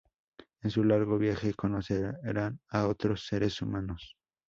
En su largo viaje conocerán a otros seres humanos.